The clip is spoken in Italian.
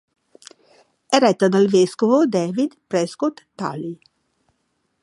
È retta dal vescovo David Prescott Talley.